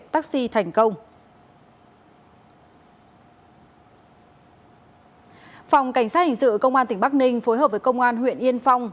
phòng cảnh sát hình sự công an tỉnh bắc ninh phối hợp với công an huyện yên phong